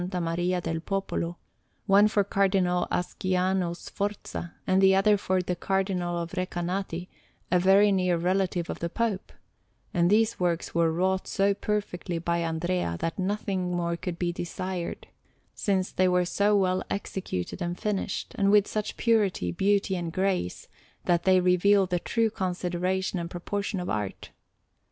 Maria del Popolo one for Cardinal Ascanio Sforza, and the other for the Cardinal of Recanati, a very near relative of the Pope and these works were wrought so perfectly by Andrea that nothing more could be desired, since they were so well executed and finished, and with such purity, beauty, and grace, that they reveal the true consideration and proportion of art.